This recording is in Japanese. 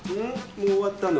もう終わったの？